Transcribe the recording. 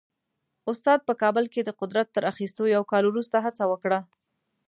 استاد په کابل کې د قدرت تر اخیستو یو کال وروسته هڅه وکړه.